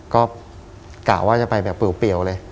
ก็กล่าวว่าจะไปแบบเปลี่ยวเลย